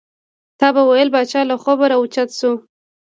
تا به وې پاچا له خوبه را او چت شو.